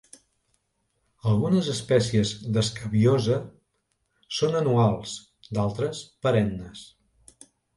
Algunes espècies d'"escabiosa" són anuals; d'altres, perennes.